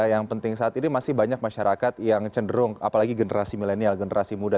yang penting saat ini masih banyak masyarakat yang cenderung apalagi generasi milenial generasi muda